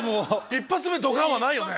１発目ドカン！はないよね？